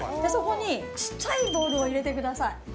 そこに、ちっちゃいボールを入れてください。